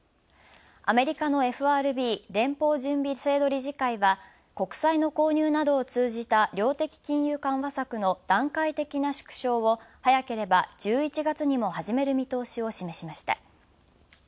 アメリカのＦＲＢ＝連邦準備制度理事会は、国債の購入などを通じた量的金融緩和策の段階的な縮小を、早ければ１１月にも始める見通しを示しました。